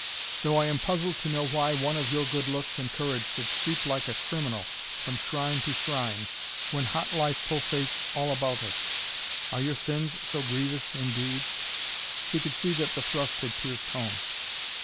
"Though I am puzzled to know why one of your good looks and courage should creep like a criminal from shrine to shrine, when hot life pulsates all about us. Are your sins so grievous indeed?" She could see that the thrust had pierced home.